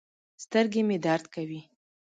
سترګې مې درد کوي